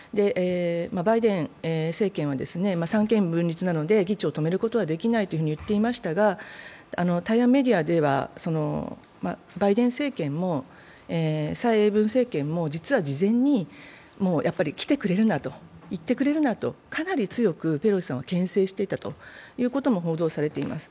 バイデン政権は三権分立なので議長を止めることはできないと言っておりましたが、台湾メディアでは、バイデン政権も蔡英文政権も、実は事前に来てくれるな行ってくれるなとかなり強くペロシさんを牽制していたということも報じられています。